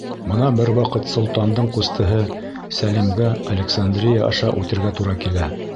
Бына бер ваҡыт солтандың ҡустыһы Сәлимгә Александрия аша үтергә тура килә.